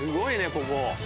ここ。